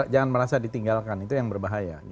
jangan merasa ditinggalkan itu yang berbahaya